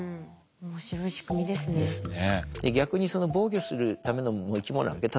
面白い仕組みですね。ですね。